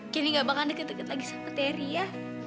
candy gak bakal deket deket lagi sama terry ya